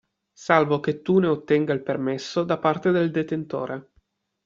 Salvo che tu ne ottenga il permesso da parte del detentore.